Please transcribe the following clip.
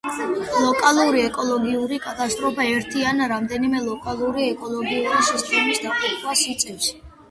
ლოკალური ეკოლოგიური კატასტროფა ერთი ან რამდენიმე ლოკალური ეკოლოგიური სისტემის დაღუპვას იწვევს.